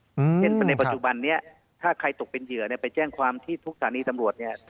เช่นในปัจจุบันนี้ถ้าใครตกเป็นเหยื่อเนี่ยไปแจ้งความที่ทุกสถานีตำรวจเนี่ย